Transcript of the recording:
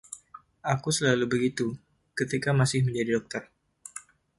Aku selalu begitu, ketika masih menjadi dokter.